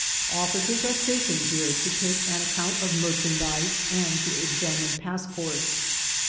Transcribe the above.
Officers are stationed here to take an account of merchandise and to examine passports.